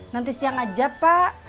nanti siang aja pak